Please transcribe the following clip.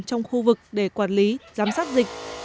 trong khu vực để quản lý giám sát dịch